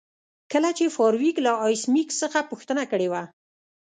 کله چې فارویک له ایس میکس څخه پوښتنه کړې وه